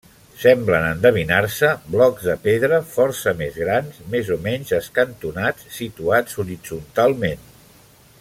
Semblen endevinar-se blocs de pedra força grans, més o menys escantonats situats horitzontalment.